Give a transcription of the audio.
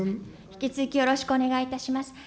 引き続きよろしくお願いいたします。